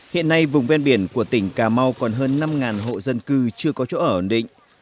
hiện nay vùng ven biển của tỉnh cà mau còn hơn năm hộ dân cư chưa có chỗ ở ổn định